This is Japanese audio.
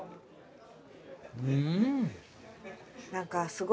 うん。